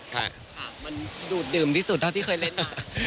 ครับดุดดื่มสุดต่อที่เคยเล่นมา